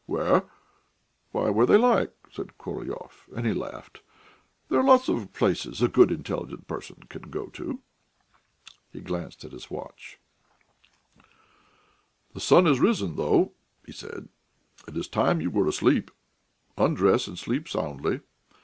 Why, where they like," said Korolyov; and he laughed. "There are lots of places a good, intelligent person can go to." He glanced at his watch. "The sun has risen, though," he said. "It is time you were asleep. Undress and sleep soundly.